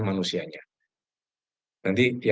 dan juga sisi kesehatan manusianya